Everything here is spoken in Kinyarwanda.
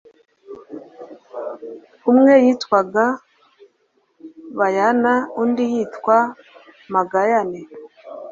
umwe yitwaga bayana undi yitwa magayane